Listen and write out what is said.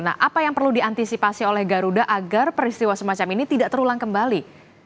nah apa yang perlu diantisipasi oleh garuda agar peristiwa semacam ini tidak terulang kembali